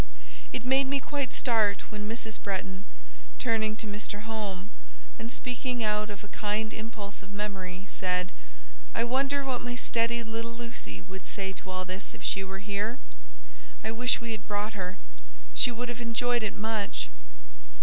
It made me quite start when Mrs. Bretton, turning to Mr. Home, and speaking out of a kind impulse of memory, said,—"I wonder what my steady little Lucy would say to all this if she were here? I wish we had brought her, she would have enjoyed it much."